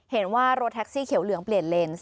เห็นว่ารถแท็กซี่เขียวเหลืองเปลี่ยนเลนส์